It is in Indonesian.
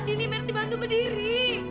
sini mesti bantu berdiri